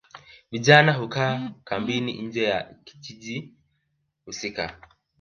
Vijana hukaa kambini nje ya kijiji husika